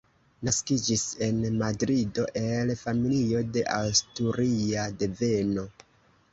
Naskiĝis en Madrido, el familio de asturia deveno.